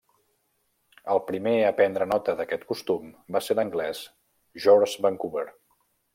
El primer a prendre nota d'aquest costum va ser l'anglès George Vancouver.